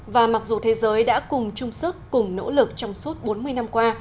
và mặc dù thế giới đã cùng chung sức cùng nỗ lực trong suốt bốn mươi năm qua